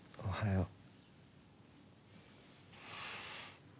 おはよう。